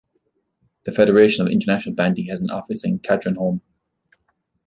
The Federation of International Bandy has an office in Katrineholm.